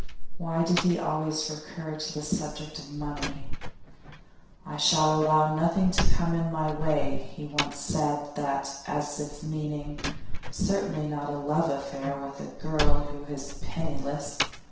Why did he always recur to the subject of money? 'I shall allow nothing to come in my way;' he once said that as if meaning, 'certainly not a love affair with a girl who is penniless.